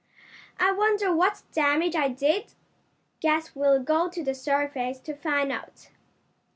"I wonder what damage I did? Guess we'll go to the surface to find out."